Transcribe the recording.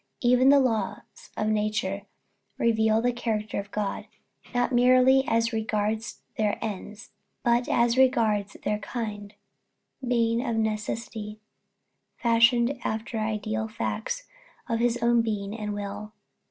Even the laws of nature reveal the character of God, not merely as regards their ends, but as regards their kind, being of necessity fashioned after ideal facts of his own being and will.